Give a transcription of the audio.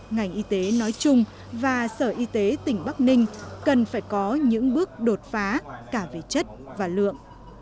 ngành y tế nói chung và sở y tế tỉnh bắc ninh cần phải có những bước đột phá cả về chất và lượng